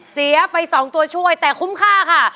เสียไป๒ตัวช่วยแต่คุ้มค่าค่ะ